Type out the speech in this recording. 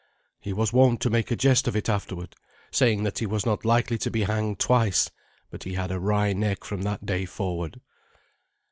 He was wont to make a jest of it afterward, saying that he was not likely to be hanged twice, but he had a wry neck from that day forward.